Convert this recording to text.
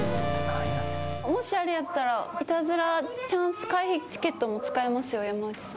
もしあれやったらイタズラチャンス回避チケットも使えますよ山内さん。